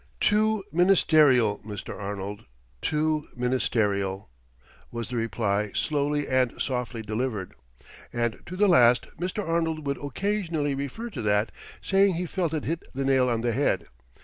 "Too ministerial, Mr. Arnold, too ministerial," was the reply slowly and softly delivered. And to the last Mr. Arnold would occasionally refer to that, saying he felt it hit the nail on the head.